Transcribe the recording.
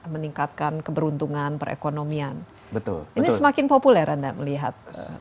meningkatkan keberuntungan perekonomian betul ini semakin populer anda melihat